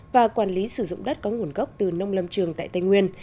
và quản lý sử dụng đất có nguồn gốc từ nông lâm trường tại tây nguyên